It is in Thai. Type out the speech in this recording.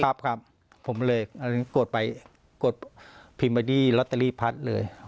ครับครับผมเลยอันนี้กดไปกดพิมพ์ไว้ดีลอตเตอรี่พัดเลย